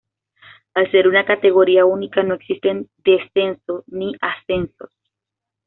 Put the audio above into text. Al ser una categoría única no existen descenso ni ascensos.